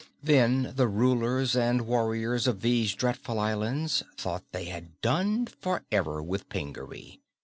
Then the rulers and warriors of these dreadful islands thought they had done forever with Pingaree.